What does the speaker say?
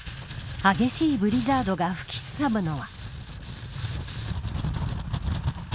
激しいブリザードが吹きすさぶのは。